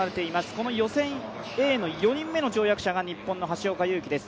この予選Ａの４人目の跳躍者が日本の橋岡優輝です。